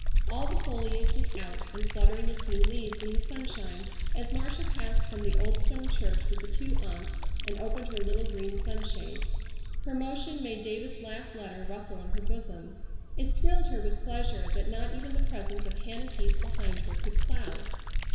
All the foliage was out and fluttering its new leaves in the sunshine as Marcia passed from the old stone church with the two aunts and opened her little green sunshade. Her motion made David's last letter rustle in her bosom. It thrilled her with pleasure that not even the presence of Hannah Heath behind her could cloud.